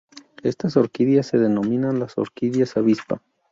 Estas orquídeas se denominan las "Orquídeas avispa".